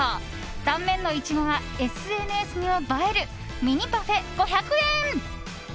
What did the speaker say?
断面のイチゴがＳＮＳにも映えるミニパフェ、５００円。